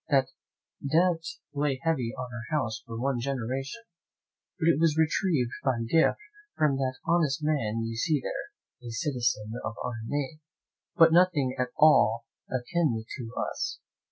That debt lay heavy on our house for one generation, but it was retrieved by a gift from that honest man you see there, a citizen of our name, but nothing at all akin to us.